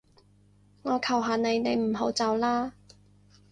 我求下你，你唔好走啦